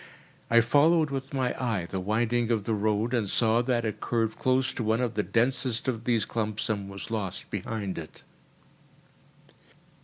I followed with my eye the winding of the road, and saw that it curved close to one of the densest of these clumps and was lost behind it.